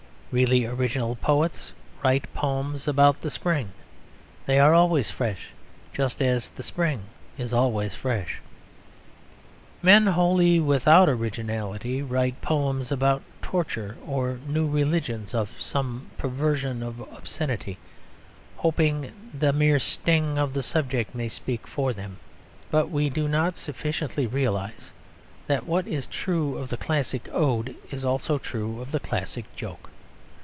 Really original poets write poems about the spring. They are always fresh, just as the spring is always fresh. Men wholly without originality write poems about torture, or new religions, of some perversion of obscenity, hoping that the mere sting of the subject may speak for them. But we do not sufficiently realise that what is true of the classic ode is also true of the classic joke.